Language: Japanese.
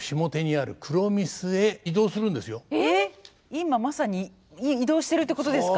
今まさに移動してるってことですか？